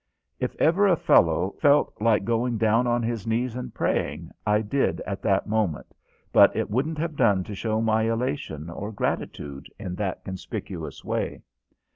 If ever a fellow felt like going down on his knees and praying, I did at that moment, but it wouldn't have done to show my elation or gratitude in that conspicuous way.